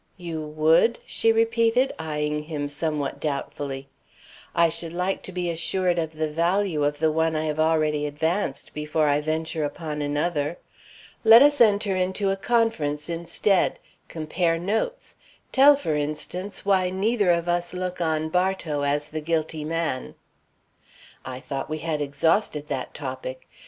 "You would?" she repeated, eying him somewhat doubtfully. "I should like to be assured of the value of the one I have already advanced, before I venture upon another. Let us enter into a conference instead; compare notes; tell, for instance, why neither of us look on Bartow as the guilty man." "I thought we had exhausted that topic.